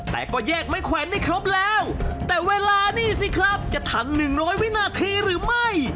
แต่ก็แยกไม้แขวนได้ครบแล้วแต่เวลานี่สิครับจะทันหนึ่งร้อยวินาทีหรือไม่